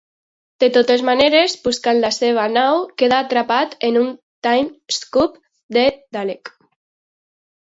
De totes maneres, buscant la seva nau queda atrapat en un 'time scoop' de Dalek.